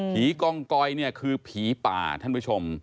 ผีกองกอยคือผีป่าท่านผู้ชม